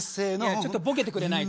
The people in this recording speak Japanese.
ちょっとボケて下さい。